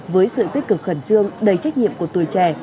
với sự tích cực khẩn trương đầy trách nhiệm của tuổi trẻ